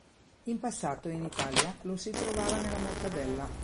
In passato, in Italia, lo si trovava nella mortadella.